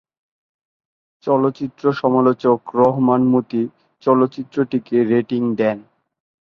চলচ্চিত্র সমালোচক রহমান মতি চলচ্চিত্রটিকে রেটিং দেন।